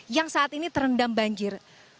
yang saat ini terendam banjir